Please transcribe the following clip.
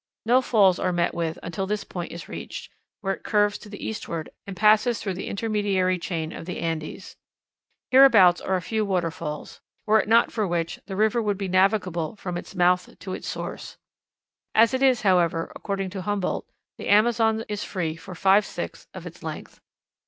No falls are met with until this point is reached, where it curves to the eastward, and passes through the intermediary chain of the Andes. Hereabouts are a few waterfalls, were it not for which the river would be navigable from its mouth to its source. As it is, however, according the Humboldt, the Amazon is free for five sixths of its length.